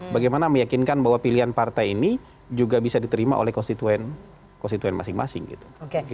bagaimana meyakinkan bahwa pilihan partai ini juga bisa diterima oleh konstituen konstituen masing masing gitu